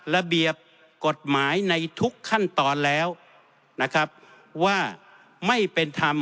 ระเบียบกฎหมายในทุกขั้นตอนแล้วนะครับว่าไม่เป็นธรรม